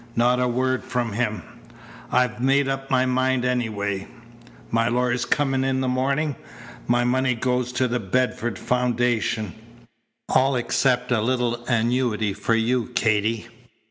Not a word from him. I'd made up my mind anyway. My lawyer's coming in the morning. My money goes to the Bedford Foundation all except a little annuity for you, Katy.